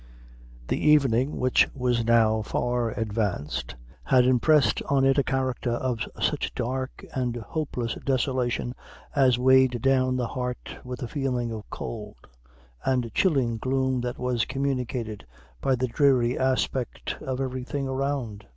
The evening, which was now far advanced, had impressed on it a character of such dark and hopeless desolation as weighed down the heart with a feeling of cold and chilling gloom that was communicated by the dreary aspect of every thing around.